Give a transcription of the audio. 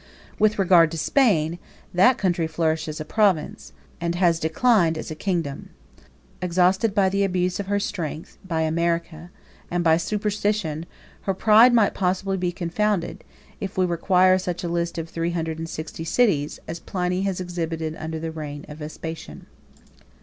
With regard to Spain, that country flourished as a province, and has declined as a kingdom. Exhausted by the abuse of her strength, by America, and by superstition, her pride might possibly be confounded, if we required such a list of three hundred and sixty cities, as Pliny has exhibited under the reign of Vespasian.